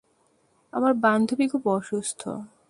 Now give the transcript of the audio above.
আমার বান্ধবী খুব অসুস্থ।